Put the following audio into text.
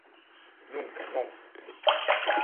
Nunca, non.